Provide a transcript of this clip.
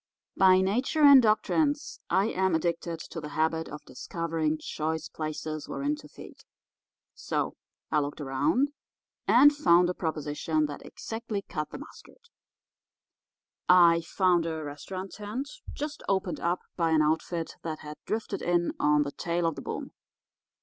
"By nature and doctrines I am addicted to the habit of discovering choice places wherein to feed. So I looked around and found a proposition that exactly cut the mustard. I found a restaurant tent just opened up by an outfit that had drifted in on the tail of the boom.